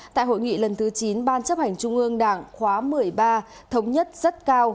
tại hội nghị lần thứ chín ban chấp hành trung ương đảng khóa một mươi ba thống nhất rất cao